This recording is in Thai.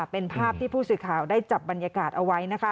เป็นภาพที่ผู้สื่อข่าวได้จับบรรยากาศเอาไว้